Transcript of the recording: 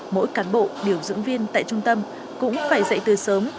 mỗi cán bộ điều dưỡng viên tại trung tâm cũng phải dậy từ sớm